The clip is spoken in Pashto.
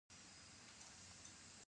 دې ته مدني مقاومت هم ویل کیږي.